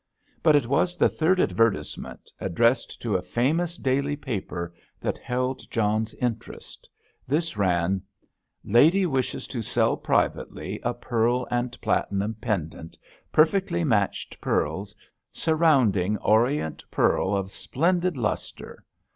But it was the third advertisement, addressed to a famous daily paper, that held John's interest. This ran: "Lady wishes to sell privately a pearl and platinum pendant, perfectly matched pearls, surrounding Orient pearl of splendid lustre.